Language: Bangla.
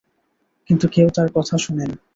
কিন্তু কেউ তাঁর কথা শোনেনি।